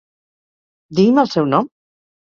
Digui'm el seu nom?